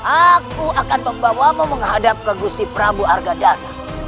aku akan membawamu menghadap ke gusti prabu ardha dana